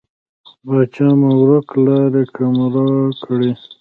پاچا مو ورک لاری، ګمرا کړی.